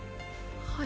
はい。